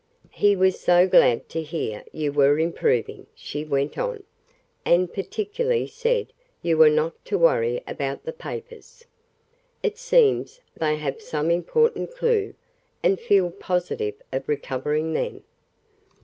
"He was so glad to hear you were improving," she went on, "and particularly said you were not to worry about the papers. It seems they have some important clue, and feel positive of recovering them."